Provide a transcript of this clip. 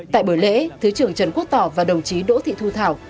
tại bữa lễ thứ trưởng trần quốc tỏ và đồng chí đỗ thị thu thảo